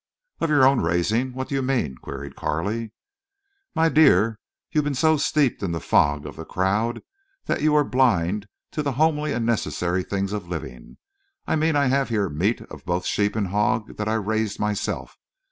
"Of your own raising. What do you mean?" queried Carley. "My dear, you've been so steeped in the fog of the crowd that you are blind to the homely and necessary things of living. I mean I have here meat of both sheep and hog that I raised myself.